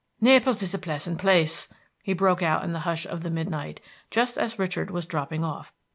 "Naples is a pleasant place!" he broke out in the hush of the midnight, just as Richard was dropping off.